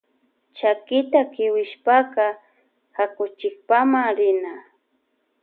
Chakita kiwishpaka kakuchikpama rina.